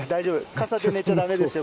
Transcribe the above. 傘で寝ちゃダメですよ